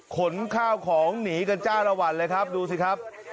ขนข้าวของหนีกันจ้าละวันเลยครับดูสิครับ